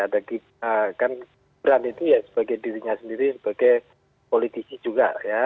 ada gibran kan gibran itu ya sebagai dirinya sendiri sebagai politisi juga ya